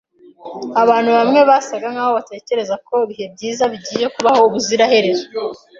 Abantu bamwe basaga nkaho batekereza ko ibihe byiza bigiye kubaho ubuziraherezo.